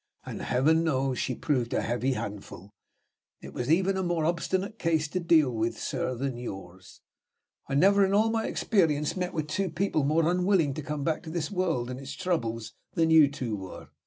And, Heaven knows, she proved a heavy handful! It was even a more obstinate case to deal with, sir, than yours. I never, in all my experience, met with two people more unwilling to come back to this world and its troubles than you two were.